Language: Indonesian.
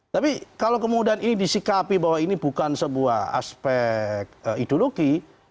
tapi kalau kemudian ini disikapi bahwa ini bukan sebuah aspek ideologi